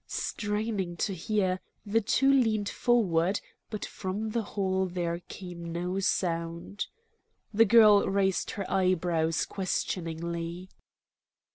Straining to hear, the two leaned forward, but from the hall there came no sound. The girl raised her eyebrows questioningly.